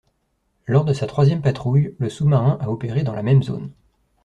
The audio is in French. Lors de sa troisième patrouille, le sous-marin a opéré dans la même zone.